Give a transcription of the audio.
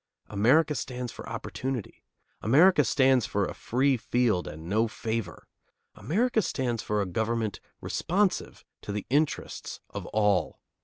America stands for opportunity. America stands for a free field and no favor. America stands for a government responsive to the interests of all.